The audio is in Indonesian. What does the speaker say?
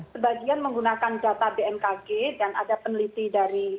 sebagian menggunakan data bmkg dan ada peneliti dari